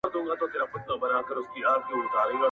یوه ورځ راته دا فکر پیدا نه سو!!